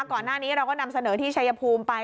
ก่อนหน้านี้เราก็นำเสนอที่ชัยภูมิไป